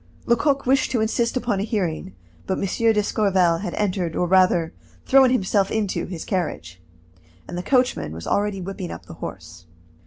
Lecoq wished to insist upon a hearing, but M. d'Escorval had entered, or rather thrown himself into, his carriage, and the coachman was already whipping up the horse.